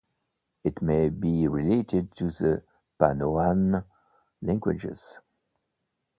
It may be related to the Panoan languages.